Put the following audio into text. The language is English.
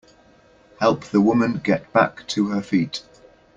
Help the woman get back to her feet.